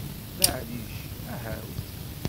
Maɛlic, ahawt!